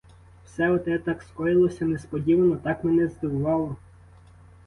Все оте так скоїлося несподівано, так мене здивувало!